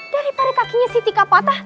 dari pari kakinya si tika patah